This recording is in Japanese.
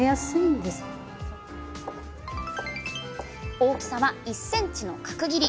大きさは１ｃｍの角切り。